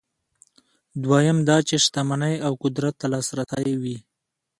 دویم دا چې شتمنۍ او قدرت ته لاسرسی وي.